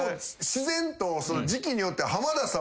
自然と時期によって。